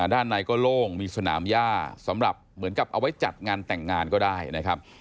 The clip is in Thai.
ด้านในก็โล่งมีสนามย่าสำหรับเหมือนกับเอาไว้จัดงานแต่งงานก็ได้นะครับ